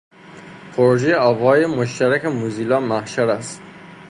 پروژهٔ آواهای مشترک موزیلا محشر است.